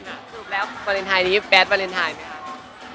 สรุปแล้ววาเลนไทน์นี้แบ๊สวาเลนไทน์มั้ยครับ